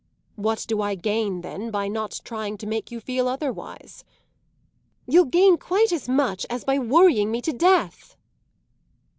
"What do I gain then by not trying to make you feel otherwise?" "You'll gain quite as much as by worrying me to death!"